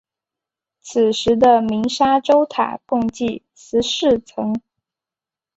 此时的鸣沙洲塔共计十四层。